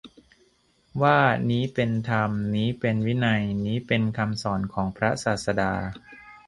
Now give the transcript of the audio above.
ว่า นี้เป็นธรรม นี้เป็นวินัย นี้เป็นคำสอนของพระศาสดา